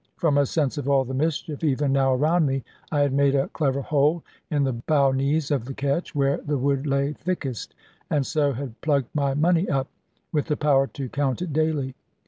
From a sense of all the mischief even now around me, I had made a clever hole in the bow knees of the ketch (where the wood lay thickest), and so had plugged my money up, with the power to count it daily.